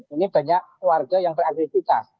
ini banyak warga yang beraktivitas